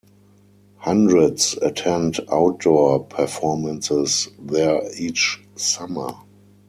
Hundreds attend outdoor performances there each summer.